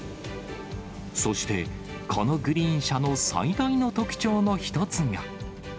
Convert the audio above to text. そして、このグリーン車の最大の特徴の一つが。